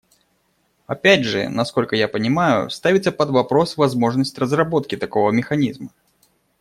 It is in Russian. Опять же, насколько я пониманию, ставится под вопрос возможность разработки такого механизма.